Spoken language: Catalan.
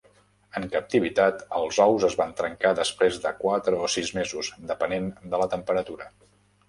En captivitat, els ous es van trencar després de quatre o sis mesos, depenent de la temperatura.